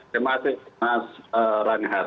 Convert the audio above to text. terima kasih mas ranghat